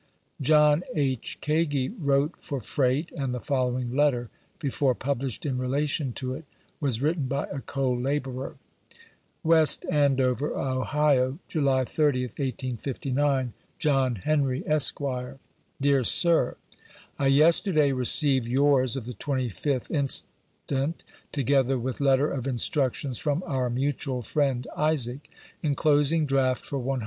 John H. Kagi wrote for freight, and the following letter, before published in relation to it, was written by a co laborer : West Ahdoveb, Ohio, July 30tb, 1859. John Henbie, Esq.: Dkab Sib, — I yesterday received yours of the 25th inst., together with letter of instructions from our mutual friend Isaac, enclosing draft for $100.